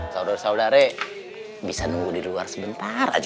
saudara saudara bisa nunggu di luar sebentar aja